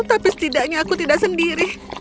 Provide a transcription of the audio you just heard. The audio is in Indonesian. tapi setidaknya aku tidak sendiri